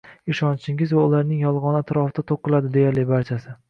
Ishonchingiz va ularning yolg‘oni atrofida to‘qiladi deyarli barchasi.